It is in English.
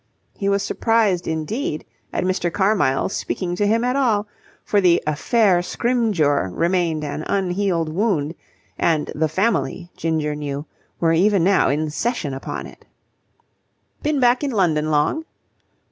He was surprised, indeed, at Mr. Carmyle's speaking to him at all, for the affaire Scrymgeour remained an un healed wound, and the Family, Ginger knew, were even now in session upon it. "Been back in London long?"